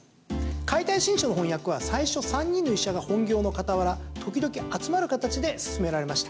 「解体新書」の翻訳は最初３人の医者が本業の傍ら時々、集まる形で進められました。